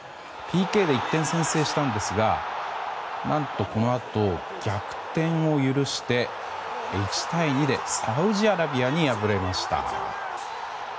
ＰＫで１点先制したんですが何と、このあと逆転を許して１対２でサウジアラビアに敗れました。